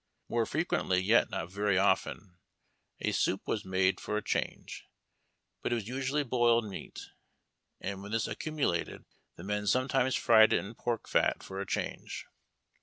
More fre quently, yet not very often, a soup Avas made for a change, but it was usually boiled meat; and wiien this accumulated, tlie men sometimes fried it in pork fat for a change.